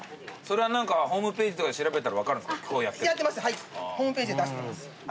それはホームページとかで調べたら分かるんですか？